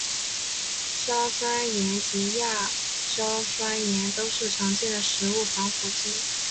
硝酸盐及亚硝酸盐都是常见的食物防腐剂。